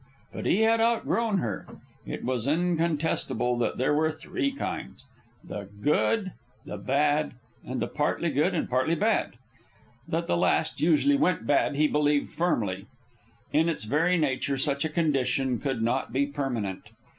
But he had outgrown her. It was incontestable that there were three kinds, the good, the bad, and the partly good and partly bad. That the last usually went bad, he believed firmly. In its very nature such a condition could not be permanent.